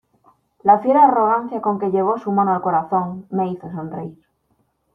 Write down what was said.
la fiera arrogancia con que llevó su mano al corazón, me hizo sonreír